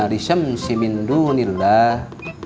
risyamsi min dunillah